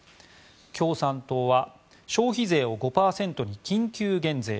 共産党は消費税を５％に緊急減税。